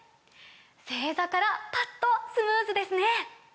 正座からパッとスムーズですね！